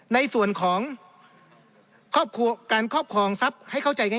ในส่วนของการครอบครองทรัพย์ให้เข้าใจง่าย